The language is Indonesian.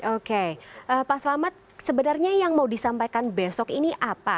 oke pak selamat sebenarnya yang mau disampaikan besok ini apa